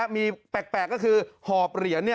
มีแปลกก็คือหอบเหรียญ